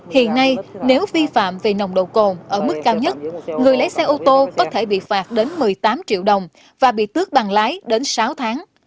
hiện nay nếu vi phạm về nồng độ cồn ở mức cao nhất người lấy xe ô tô có thể bị phạt đến một mươi tám triệu đồng và bị tước bằng lái đến sáu tháng